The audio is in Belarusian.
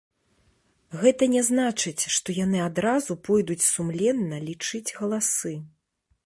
Гэта не значыць, што яны адразу пойдуць сумленна лічыць галасы.